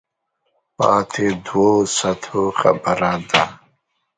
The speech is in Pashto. پاتې دوو سطحو خبره ده.